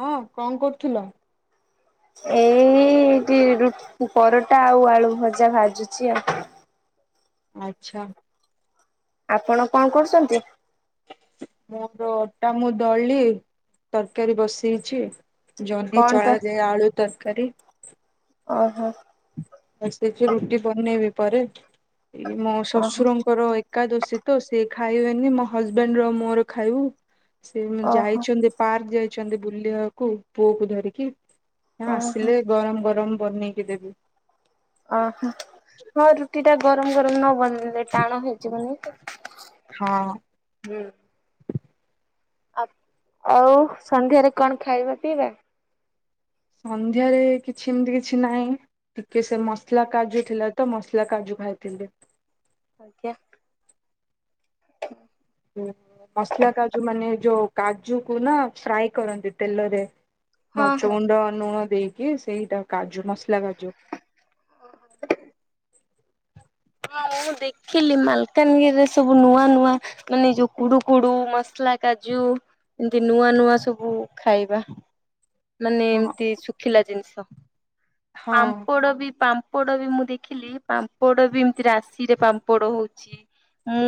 ହଁ କଣ କରୁଥୁଲ? ଏଇଠି ରୁ ପରଟା ଆଉ ଆଳୁ ଭଜା ଭାଜୁଚି ଆଉ। ଆଛା। ଆପଣ କଣ କରୁଚନ୍ତି? ମୋର ଅଟା ମୁଁ ଦଳିଲି ତରକାରୀ ବସେଇଛି। ଜହ୍ନି କଣ ତ ଚଳାଯାଏ ଆଳୁ ତରକାରୀ। ଓହୋ। ବସେଇଚି ରୁଟି ବନେଇବି ପରେ ଇଏ ମୋ ଓହୋ ଶ୍ୱଶୁରଙ୍କରଏ ଏକାଦଶୀ ତ ସିଏ ଖାଇବେନି ମୋ ହଜବେଣ୍ଟେ ର ମୋର ଖାଇବୁ ସେ ଓହୋ ଯାଇଛନ୍ତି ପାର୍କ ଯାଇଛନ୍ତି ବୁଲିବାକୁ ପୁଅ କୁ ଧରିକି। ଓହୋ। ଆସିଲେ ଗରମ ଗରମ ବନେଇକି ଦେବି। ଓହୋ ହଁ ରୁଟି ଟା ଗରମ ଗରମ ନ ବନେଇଲେ ଟାଣ ହେଇଯିବନି ତ। ହଁ। ହୁଁ। ଆ ଆଉ ସନ୍ଧ୍ୟାରେ କଣ ଖାଇବା ପିଇବା? ସନ୍ଧ୍ୟାରେ କିଛି ଏମିତି କିଛି ନାହିଁ। ଟିକେ ସେ ମସଲା କାଜୁ ଥିଲା ତ ମସଲା କାଜୁ ଭାଜିଲି। ଆଜ୍ଞା। ମସଲା କାଜୁ ମାନେ ଯୋଉ କାଜୁକୁ ନା ଫ୍ରାଏ କରନ୍ତି ତେଲରେ। ହଁ ମଛ ହଁ। ଗୁଣ୍ଡ ନୁଣ ଦେଇକି ସେଇଟା କାଜୁ ମସଲା କାଜୁ ହଁ ମୁଁ ଦେଖିଲି ମାଲକାନଗିରିରେ ସବୁ ନୂଆ ନୂଆ ମାନେ ଯୋଉ କୁଡୁ କୁଡୁ ମସଲା କାଜୁ ଏମିତି ନୂଆ ନୂଆ ସବୁ ଖାଇବା। ମାନେ ହଁ ଏମିତି ଶୁଖିଲା ଜିନିଷ ହଁ ପାମ୍ପଡ଼ ବି ପାମ୍ ପାମ୍ପଡ଼ ବି ମୁଁ ଦେଖିଲି ପାମ୍ପଡ଼ ବି ଏମତି ରାଶିରେ ପାମ୍ପଡ଼ ହୋଉଚି। ମୁଁ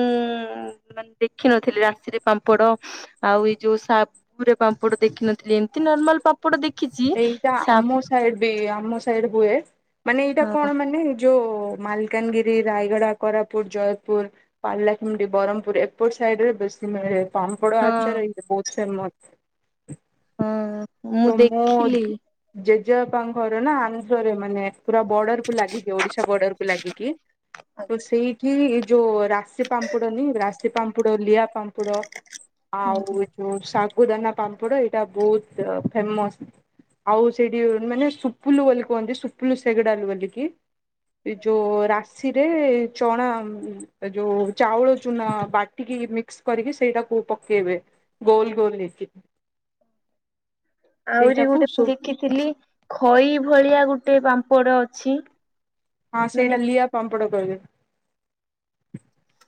ମାନେ ଦେଖିନଥିଲି ରାଶିରେ ପାମ୍ପଡ ଆଉ ଏଇ ଯୋଉ ସାଗୁରେ ପାମ୍ପଡ ଦେଖିନଥିଲି ଏମ ଏମିତି ନର୍ମାଲ ପାପଡ଼ ଦେଖିଚି ଏଇଟା ଆମ ସାପ ସାଇଡ ବି ଆମ ସାଇଡ ହୁଏ ମାନେ ଏଇଟା ହଁ କଣ ମାନେ ଯୋଉ ମାଲକାନଗିରି, ରାୟଗଡା, କୋରାପୁଟ, ଜୟପୁର ପାଲାଖେମୁନ୍ଡି ବରହ୍ମପୁର ଏପଟ ସାଇଡ ରେ ବେଶୀ ମିଳେ ପାମ୍ପଡ ହଁ ଆଚାର ବହୁତ ଫେମ ହଁ। ମୁଁ ଦେଖିଲି। [unintelligible] ଜେଜେବାପାଙ୍କ ଘର ନା ଆନ୍ଧ୍ରରେ ମାନେ ପୁରା ବର୍ଡରକୁୁ ଲାଗିକି ଓଡିଶା ବର୍ଡର କୁ ଲାଗିକି ତ ସେଇଠି ଯୋଉ ରାଶି ପାମ୍ପଡନି ରାଶି ପାମ୍ପଡ ଲିଆ ପାମ୍ପୁଡ ଓହୋ। ଆଉ ଏ ଯୋଉ ଶାଗୁଦାନା ପାମ୍ପଡ ଏଇଟା ବହୁତ ଫେମସ। ଆଉ ସେଠି ମାନେ ସୁପୁଲୁ ବୋଲି କୁହନ୍ତି ସୁପୁଲୁ ସେଗଡାଲ ବୋଲିକି। ଏଇ ଯୋଉ ରାଶିରେ ଚଣା ଏ ଯୋଉ ଚାଉଳ ଚୁନା ବାଟିକି ମିକ୍ସ କରିକି ସେଇଟାକୁ ପକେଇବେ। ଗୋଲ ଗୋଲ [unintelligible] ଆହୁରି ସେଇଟାକୁ ଗୋଟେ ସୁ ମୁଁ ଦେଖିଥିଲି ଖଇ ଭଳିଆ ଗୋଟେ ପାମ୍ପଡ ଅଛି। ହଁ ମାନେ ସେଇଟା ଲିଆ ପାମ୍ପଡ଼ କଇବେ।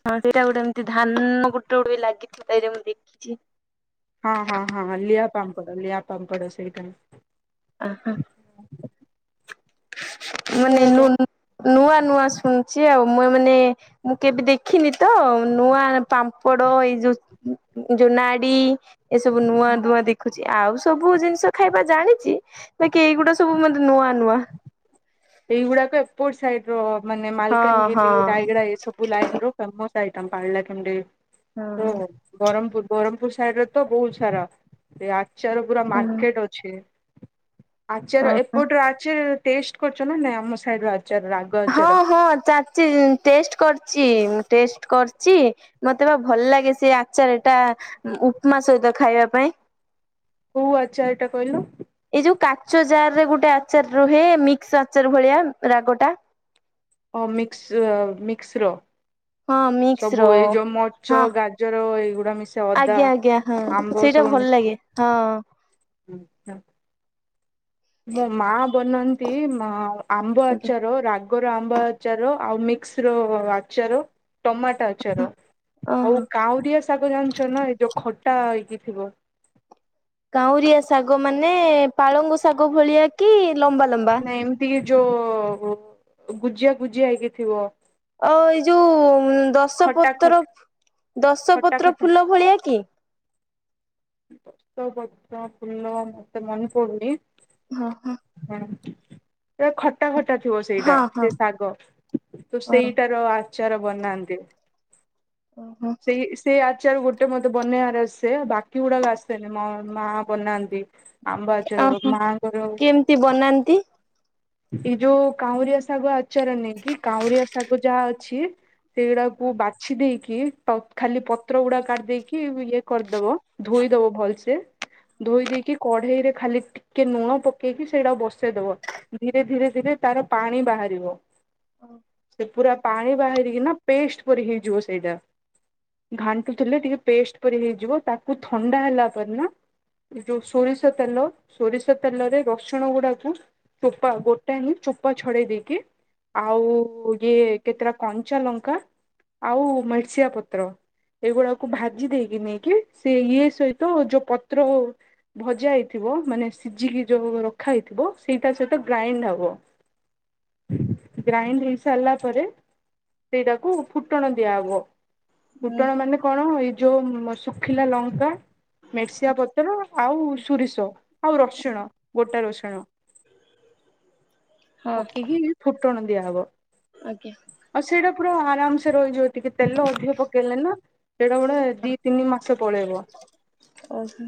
ହଁ ସେଇଟା ଗୋଟେ ଏମିତି ଧାନ ଗୋଟେ ଗୋଟେ ଲାଗିଥିଲା ତ ଏଇରା ମୁଁ ଦେଖିଚି। ହଁ ହଁ ହଁ ଲିଆ ପାମ୍ପଡ ଲିଆ ପାମ୍ପଡ ସେଇଟା। ଆଁ ହୋ ସେଇଟା ମୁନି ନୂ ନୂଆ ନୂଆ ଶୁଣୁଛି ଆଉ ମୁଇ ମାନେ ମୁଁ କେବେ ଦେଖିନି ତ ନୂଆ ପାମ୍ପଡ ଏଇ ଯୋ ଯୋଉ ନାଡି ଏସବୁ ନୂଆ ହଁ ଧୂଆ ଦେ ଦେଖୁଛି ଆଉ ସବୁ ଜିନିଷ ଖାଇବା ଜାଣିଛି ବାକି ଏଇଗୁଡା ସବୁ ମତେ ନୂଆ ନୂଆ। ଏଇଗୁଡାକ ଏପଟ ସାଇଡ ର ମାନେ ହଁ ହଁ ମାଲକାନଗିରି ରାୟଗଡା ଏସବୁ। ବୁଲାଇନ ର ଫେମୋସ୍ ଆଇଟମ୍ ପାରଳାଖେମୁଣ୍ଡି ହଁ। [unintelligible] ବରହ୍ମପୁର ବରହ୍ମପୁର ସାଇଡ ରେ ତ ବହୁତ ସାରା ଏ ଆଚାର ପୁରା ମାର୍କେଟ ଅ ଛି ଆଚାର ଓହୋ ଏପଟର ଆଚାର ଟେଷ୍ଟ କରିଚ ନା ନାଇ ଆମ ସାଇଡ ଆ ହଁ ହଁ ଚାଚି ଟେଷ୍ଟ କରିଚି ମୁଁ ଟେଷ୍ଟ କରିଚି। ମତେ ବା ଭଲ ଲାଗେ ସେ ଆଚାର ଟା ଉପମା ସହିତ ଖାଇବା ପାଇଁ। କୋଉ ଆଚାରଟା କହିଲ। ଏଇ ଯୋଉ କାଚ ଜାର ରେ ଗୋଟେ ଆଚାର ରୁହେ ମିକ୍ସ ଆଚାର ଭଳିଆ ରାଗଟା। ଓ ମିକ୍ସି ଅ ମିକ୍ସି ର। ହଁ ମିକ୍ସ ସବୁ ର ଏଇ ଯୋଉ ମଚ ହଁ ଗାଜର ଏଇଗୁଡା ମିଶା ଅଦା। ଆଜ୍ଞା ଆଜ୍ଞା ହଁ ଆମ୍ବ [unintelligible] ସେଇଟା ସବୁ ଭଲ ଲାଗେ ମିଶିଚି। ହଁ। ହୁଁ ତ ମୋ ମା ବନାନ୍ତି ମ ଆମ୍ବ ଆଜ୍ଞା ଆଚାର ରା ଗର ଆମ୍ବ ଆଚାର ଆଉ ମିକସ ର ଆଚାର ଟମା ଆଚାର ଆଉ ଓହୋ। କାଉଁରିଆ ସାଗ ଜାଣିଚନା ଏ ଯୋଉ ଖଟା ହେଇକି ଥିବ। କାଉରିଆ ଶାଗ ମାନେ ପାଳଙ୍ଗ ଶାଗ ଭଳିଆ କି ଲମ୍ବା ଲମ୍ବା? ନା ଏମିତି କି ଯୋଉ ଗୁଜିଆ ଗୁଜିଆ ହେଇକି ଥିବ। ଆଉ ଏଇ ଯୋଉ ଦଶ ଖଟା ଖ ପତ୍ର ଦଶ ଖଟା ପତ୍ର ଖଟା ଫୁଲ ଭଳିଆ କି? ଦଶ ପତ୍ର ଫୁଲ ମତେ ମନେ ପଡୁନି। ହଁ ହଁ। ହଁ। ଖଟା ଖଟା ଥିବ ସେଇଟା ହଁ ହଁ ସେ ଶାଗ। ତ ହଁ ସେଇଟାର ଆଚାର ବନାନ୍ତି। ଓହୋ ସେଇ ସେ ଆଚାର ଗୋଟେ ମତେ ବନେଇବାର ଆସେ ବାକି ଗୁଡାକ ଆସେନି ମୋ ମା ବନାନ୍ତି। ଆମ୍ବଆଚାର ଓହୋ ମାଙ୍କର କେମିତି ବନାନ୍ତି? ଏଇ ଯୋଉ କାଉଁରିଆ ଶାଗ ଆଚାର ନୀଁ କି କାଉଁରିଆ ଶାଗ ଯାହା ଅଛି ସେଇଗୁଡାକୁ ବାଛି ଦେଇେଇକି ତ ଖାଲି ପତ୍ର ଗୁଡା କାଢିଦେଇକି ଇଏ କରିଦବ। ଧୋଇ ଦବ ଭଲସେ ଧୋଇ ଦେଇକି କଢେଇରେ ଖାଲି ଟିକେ ନୁଣ ପକେଇକି ସେଇଟା ବସେଇଦବ। ଧୀରେ ଧୀରେ ଧୀରେ ତାର ପାଣି ବାହାରିବ ସେ ପୁରା ପାଣି ବାହାରିକି ନା ପେଷ୍ଟ ପରି ହେଇଯିବ ସେଇଟା। ଘାଣ୍ଟୁଥିଲେ ଟିକେ ପେଷ୍ଟ ପ ହେଇଯିବ ତାକୁ ଥଣ୍ଡା ହେଲା ପରେ ନା ଯୋଉ ସୋରିଷ ତେଲ ସୋରିଷ ତେଲରେ ରସୁଣ ଗୁଡାକୁ ଚୋପା ଗୋଟା ହିଁ ଚୋପା ଛଡେଇ ଦେଇକି ଆଉ ଇଏ କେତେଟା କଞ୍ଚା ଲଙ୍କା ଆଉ ମିର୍ସିଆ ପତ୍ର ଏଇଗୁଡାକୁ ଭାଜି ଦେଇକି ନେଇକି ସେ ଇଏ ସହିତ ଯୋଉ ପତ୍ର ହୋଉ ଭଜା ହେଇଥିବ ମାନେ ସିଝିକି ଯୋଉ ରଖା ହେଇଥିବ ସେଇଟା ସହିତ ଗ୍ରାଇଣ୍ଡ ହବ। ଗ୍ରାଇଣ୍ଡ ହେ ସାରିଲା ପରେ ସେଇଟାକୁ ଫୁଟଣ ଦିଆ ହବ। ହୁଁ କୁଟଣ ମାନେ କଣ ଏଇ ଯୋଉ ମ ଶୁଖିଲା ଲଙ୍କା ମେସିଆ ପତ୍ର ଆଉ ସୋରିଷ ଆଉ ରସୁଣ ଗୋଟା ରସୁଣ ହଁ। ଏତିକି ଫୁଟଣ ଦିଆ ହବ। ଆଜ୍ଞା। ଆଉ ସେଇଟା ପୁରା ଆରାମସେ ରହିଯିବ ଟିକେ ତେଲ ଅଧିକ ପକେଇଲେ ନା ସେଇଟା ପୁରା ଦି ତିନି ମା ସେ ପଳେଇବ। ଓ ହଁ।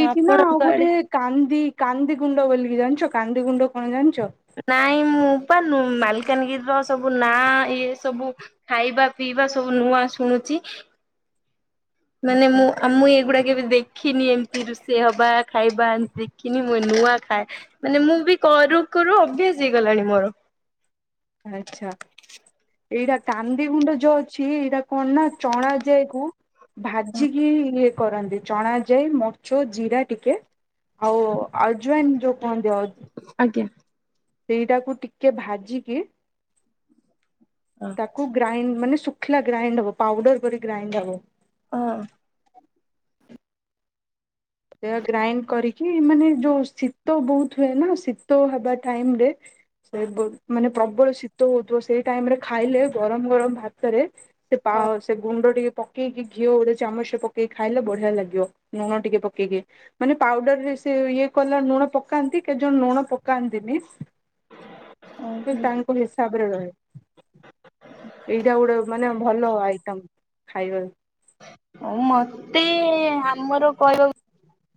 ଏଇଠି ନା ଆଉ ଗୋଟେ କାନ୍ଦି କାନ୍ଦି ଗୁଣ୍ଡ ବୋଲିକି ଜାଣିଚ କାନ୍ଦି ଗୁଣ୍ଡ କଣ ଜାଣିଚ? ନାଇଁ ମୁଁ ପା ନୁ ମାଲକାନଗିରିର ସବୁ ନାଁ ଇଏ ସବୁ ଖାଇବା ପିଇବା ସବୁ ନୂଆ ଶୁଣୁଚି। ମାନେ ଆଚ୍ଛା ମୁଁ ଆ ମୁଁ ଏଇଗୁଡାକ କେବେ ଦେ ଖିନି ଏମତି ରୁଷେଇ ହେବା ଖାଇବା ଏମତି ଦେଖିନି ମୁଁ ନୁଆ ଖାଏ। ମାନେ ମୁଁ ବି କରୁ କରୁ ଅଭ୍ୟାସ ହେଇଗଲାଣି ମୋର। ଆଚ୍ଛା। ଏଇଟା କାନ୍ଦି ଗୁଣ୍ଡ ଯୋ ଅଛି ଏଇଟା କଣ ନା ଚଣା ଯାଏକୁ ଭାଜିକି ଇଏ କରନ୍ତି। ଚଣା ଯାଇ ମଚ ଜିରା ଟିକେ ଆଉ ଆଜ୍ୱାଇଁନ ଯୋଉ କହନ୍ତି। ଆଜ୍ଞା। ସେଇଟାକୁ ଟିକେ ଭାଜିକି ହଁ। ତାକୁ ଗ୍ରାଇଣ୍ଡ ମାନେ ଶୁଖିଲା ଗ୍ରାଇଣ୍ଡ ହବ ପାଉଡର କରି ଗ୍ରାଇଣ୍ଡ ହବ। ଅ ହଁ। ସେ ଗ୍ରାଇଣ୍ଡ କରିକି ମାନେ ଯୋଉ ଶୀତ ବହୁତ ହୁଏ ନା ଶୀତ ହବା ଟାଇମ ରେ ସେ ବ ମାନେ ପ୍ରବଳ ଶି ଶୀତ ହଉଥଵ ସେଇ ଟାଇମ ରେ ଖାଇଲେ ଗରମ ଗରମ ଭାତରେ ସେ ପା ସେ ଗୁଣ୍ଡ ଟିକେ ପ ପକେଇକି ଘିଅ ଗୋଟେ ଚାମଚ ପକେଇି ଖାଇଲେ ବଢିଆ ଲାଗିବ। ଲୁଣ ଟିକେ ପ କେଇକି କି ମାନେ ପାଉଡର ରେ ସେ ଇଏ କଲା ଲୁଣ ପକାନ୍ତି କେ ଜଣ ଲୁଣ ପକାନ୍ତିନି ସେ ତାଙ୍କ ହିସାବରେ ରହେ। ଏଇଟା ଗୋଟେ ମାନେ ଭଲ ଆଇଟମ୍ ଖାଇବା ଆଉ ମତେ ଆମର କହିବାକୁ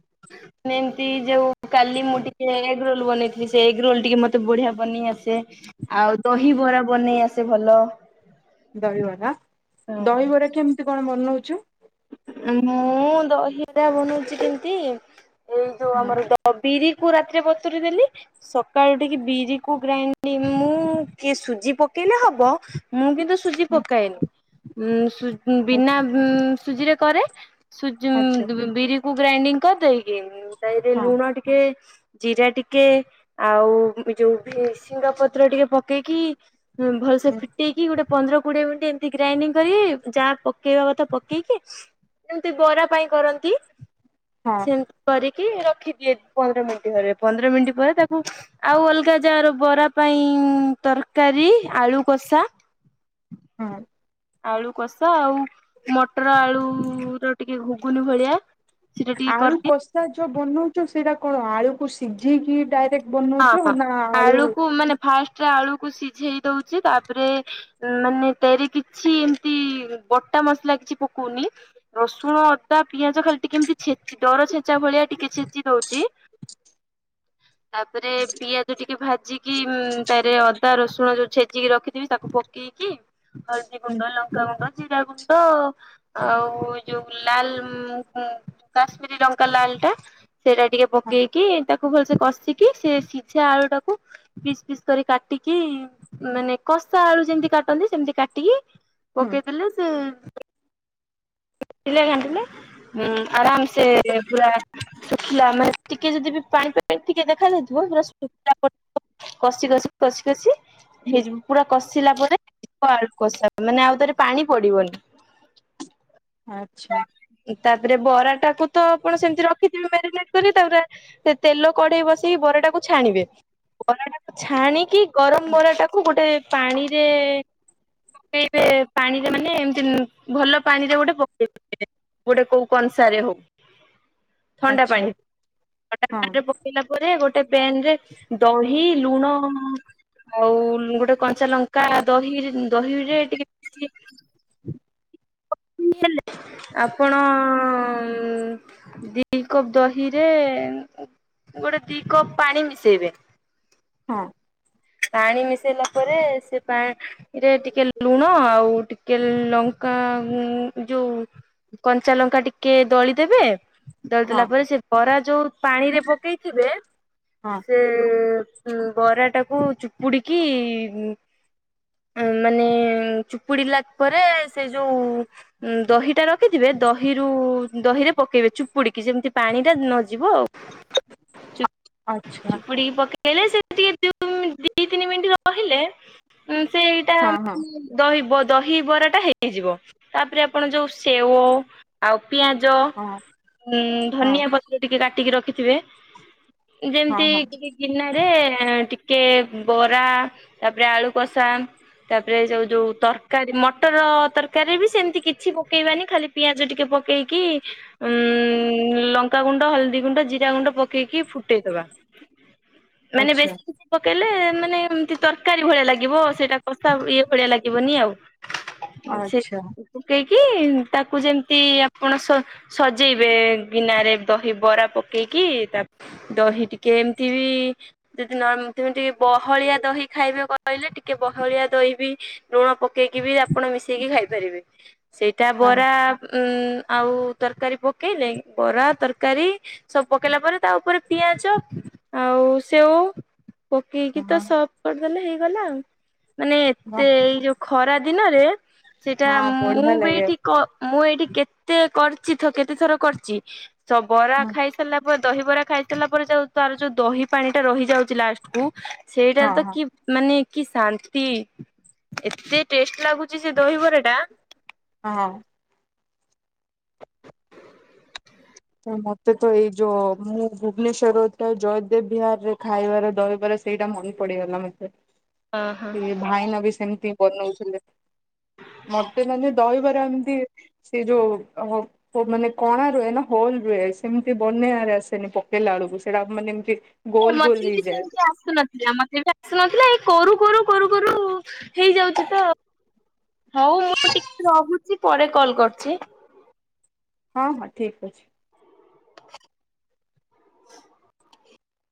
[inaudible] ମାନେ ଏମିତି ଯୋଉ କାଲି ମୁଁ ଟିକେ ଏଗ୍ ରୋଲ ବନେଇଥିଲି ସେ ଏଗ୍ ରୋଲ ଟିକେ ମତେ ବଢିଆ ବନେଇ ଆସେ। ଆଉ ଦହିବରା ବନେଇ ଆସେ ଭଲ। ଦହିବରା! ହଁ ଦହିବରା କେମତି କଣ ବନଉଛୁ? ମୁଁ ଦହିବରା ବନଉଛି କେମିତି ଏଇ ଯୋଉ ହଁ ଆମର ଦ ତ ବିରିକୁ ରାତିରେ ବତୁୁରି ଦେଲି ସକାଳୁ ଉଟିକି ବିରି କୁ ଗ୍ରାଇଣ୍ଡ ମୁଁ କି ସୁଜି ପକେଇଲେ ହବ ମୁଁ କି ସୁଜି ପକାଏନି। ଉ ସୁ ବିନା ସୁଜିରେ କରେ ସୁଜ ଆଚ୍ଛା ଉଁ ବିରି କୁ ଗ୍ରାଇଣ୍ଡିଂ କରିଦେଇକି ତାରେ ହଁ ଲୁଣ ଟିକେ ଜିରା ଟିକେ ଆଉ ଉ ଏ ଯଉ ଭେରସୁଂଗା ପତ୍ର ଟିକେ ପକେଇକି ହଁ ଭଲ ସେ ଫିଟେଇକି ଗୋଟେ ପନ୍ଦର କୋଡିଏ ମିନିଟ ଗ୍ରାଇଣ୍ଡିଙ୍ଗ କରି ଯାହା ପକେଇବା କଥା ପକେଇକି ଜେମତି ବରା ପାଇଁ କରନ୍ତି, ହଁ ସେମ କରିକି ରଖିଦିଏ ପନ୍ଦର ମିନିଟ୍ ଘରେ ପନ୍ଦର ମିନିଟ୍ ପରେ ତାକୁ ଆଉ ଅଲ୍‌ଗା ଜାର ବରା ପାଇଁ ତରକାରୀ ଆଳୁ କଷା ହଁ। ଆଳୁ କଷା ଆଉ ମଟର ଆଳୁର ଟିକେ ଘୁଗୁନି ଭଳିଆ ସେଟା ଟିକେ ଆଳୁ କରିଦିଏ କଷା ଯୋଉ ବନଉଛ ସେଇଟା କଣ ଆଳୁକୁ ସିଝିକି ଡାଇରେକ୍ଟ? ହଁ ବନଉଛ ଅଁ ନା ଆଳୁ ଆଳୁକୁ ମାନେ ଫାଷ୍ଟରେ ଆଳୁକୁ ସିଝେଇ ଦଉଛି ତାପରେ ମାନେ ତରେ କିଛି ଏମତି ବଟା ମସଲା କିଛି ପକଉନି। ରସୁଣ ଅଦା ପିଆଜ ଖାଲି ଟିକେ ଏମିତି ଛେଚି ଦର ଛେଚା ଭଳିଆ ଟିକେ ଛେଚି ଦଉଛି। ତାପରେ ପିଆଜ ଟିକେ ଭାଜିକି ତାରେ ଅଦା ରସୁଣ ଯୋଉ ଛେଚିକି ରଖିଥିବି ତାକୁ ପ ପକେଇକି ହଳଦୀ ହୁଁ ଗୁଣ୍ଡ ଲଙ୍କାଗୁଣ୍ଡ ଜିରା ଗୁଣ୍ଡ ଆଉ ଯୋଉ ଲାଲ କାଶ୍ମିର ଲଙ୍କା ଲାଲ ଟା। ସେରା ଟିକେ ପକେଇକି ତାକୁ ଭଲସେ କଷିକି ସେ ସିଝା ଆଳୁ ଟାକୁ‌‌ ପିସ୍ ପିସ୍ କରି କାଟିକି ମାନେ କଷା ଆଳୁ ଯେମିତି କାଟନ୍ତି ସେମତି କାଟିକି ହୁଁ ପକେଇଦେଲେ ସେ ଘାଣ୍ଟିଲେ ଘାଣ୍ଟିଲେ ଆରାମ ସେ ପୁରା‌ ଶୁଖିଲା ମାନେ ଟିକେ ଯଦି ବି ପାଣି ପାଣି ଟିକେ ଦେଖା ଯାଇଥିବ ପୁରା ଶୁଖିଲା ପର କସି କସି କସି କସି ହେଇଯିବ ପୁରା କଷିଲା ପରେ ଆଳୁ କଷା ମାନେ ଆଉ ଥରେ ପାଣି ପଡିବନି। ଆଚ୍ଛା। ତାପରେ ବରାଟାକୁ ତ ଆପଣ ସେମିତି ରଖିଥିବେ ମ୍ୟାରିନେଟ କରି ତାପରେ। [inaudible] [inaudible] [inaudible] [inaudible] ଆଚ୍ଛା ହଁ [inaudible] [inaudible] [inaudible] [inaudible] [inaudible] [inaudible] [inaudible] [inaudible] [inaudible] [inaudible] ହଁ [inaudible] [inaudible] [inaudible] [inaudible] [inaudible] ଆଚ୍ଛା [inaudible] [inaudible] [inaudible] [inaudible] ହଁ ହଁ [inaudible] ହଁ ହଁ [inaudible] [inaudible] [inaudible] [inaudible] [inaudible] [inaudible] [inaudible] [inaudible] [inaudible] [inaudible] [inaudible] [inaudible] [inaudible] [inaudible] ହଁ [inaudible] [inaudible] ହଁ [inaudible] ହଁ ବଢିଆ ଲାଗେ [inaudible] ହଁ [inaudible] [inaudible] [inaudible] ମାନେ ହଁ ହଁ କି ଶାନ୍ତି ଏତେ ଟେଷ୍ଟ୍ ଲାଗୁଚି ସେ ଦହିବରା ଟା ହଁ। ତ ମତେ ତ ଏଇ ଯଉ ମୁଁ ଭୁବନେଶ୍ୱରରୁ ଜୟଦେବ ବିହାର୍ ରେ ଖାଇବାର ଦହିବରା ସେଇଟା ମନେ ପଡିଗଲା ମତେ ହଁ ହଁ। ସିଏ ଭାଇନା ବି ସେମିତି ବନଉଥିଲେ। ମତେ ମାନେ ଦହିବାର ଏମିତି ସେ ଯଉ ମାନେ କଣା ରୁହେ ନା ହୋଲ୍ ସେମିତି ବନେଇରେ ଆସେନି ପକେଇଲା ବେଳକୁ ସେଟା ମାନେ ଏମିତି ଗୋଲ ଗୋଲ ମତେ ବି ହେଇଯାଏ ସେମିତି ଆସୁନ ମତେ ବି ଆସୁନଥିଲା ଏଇ କରୁ- କରୁ -କରୁ- କରୁ ହେଇଯାଉଚି ତ। ହଉ ମୁଁ ଟିକେ ରହୁଚି ପରେ କଲ୍ କରୁଚି। ହଁ -ହଁ ଠିକ୍ ଅଛି।